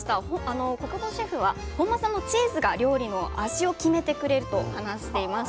小久保シェフは本間さんのチーズが料理の味を決めてくれると話していました。